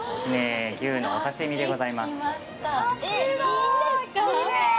牛のお刺し身でございます。